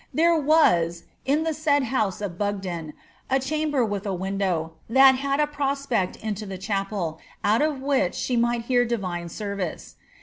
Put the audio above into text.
There was, in the said bouse of Bugden, a chamber with a window, that bad a prospect into the chapel, out of the which she mif ht hear divine •enrice.